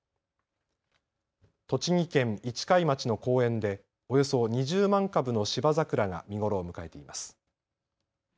栃木県市貝町の公園でおよそ２０万株のシバザクラが見頃を迎えています。